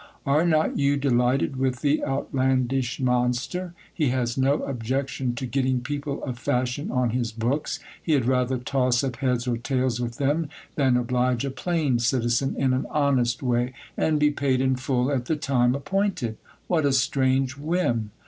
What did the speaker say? Are not you delighted with the outlandish monster? He has no objection to getting people of fashion on his books. He had rather toss up heads or tails with them, than oblige a plain citizen in an honest way, and be paid in full at the time appointed. What a strange whim